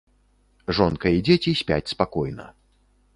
Жонка і дзеці спяць спакойна.